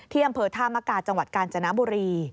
อำเภอธามกาจังหวัดกาญจนบุรี